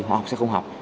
họ học sẽ không học